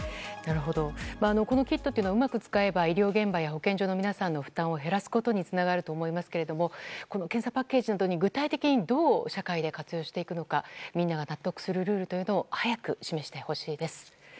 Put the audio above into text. このキットをうまく使えば、医療現場や保健所の皆さんの負担を減らすことにつながると思いますけど検査パッケージなど、具体的にどう社会で活用していくのかみんなが納得するルールを早く示してほしいです。